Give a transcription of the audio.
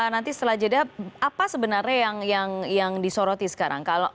nanti setelah jeda apa sebenarnya yang disoroti sekarang